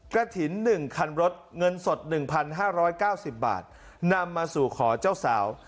กระถิ่น๑คันรถเงินสด๑๕๙๐บาทนำมาสู่ขอเจ้าสาว